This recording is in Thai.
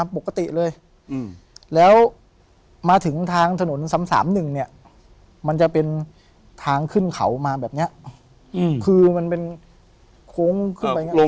ปกติเลยแล้วมาถึงทางถนน๓๓๑เนี่ยมันจะเป็นทางขึ้นเขามาแบบนี้คือมันเป็นโค้งขึ้นไปอย่างนี้